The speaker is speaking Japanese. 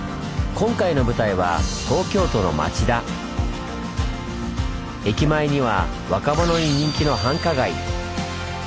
今回の舞台は駅前には若者に人気の繁華街。